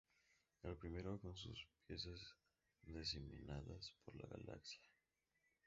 El primero, con sus piezas diseminadas por la Galaxia.